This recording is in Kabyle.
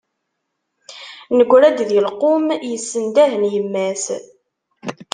Negra-d di lqum, yessendahen yemma-s.